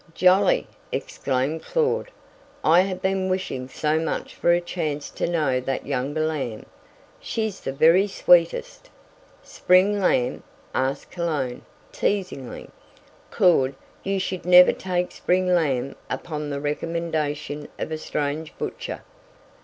"Jolly!" exclaimed Claud. "I have been wishing so much for a chance to know that younger Lamb. She's the very sweetest " "Spring lamb?" asked Cologne, teasingly. "Claud, you should never take spring lamb upon the recommendation of a strange butcher.